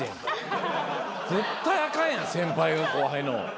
絶対アカンやん先輩が後輩のを。